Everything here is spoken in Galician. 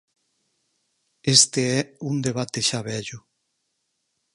Este é un debate xa vello.